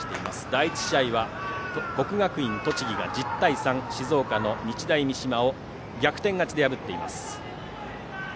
第１試合は国学院栃木が１０対３で静岡の日大三島を逆転勝ちで破っています。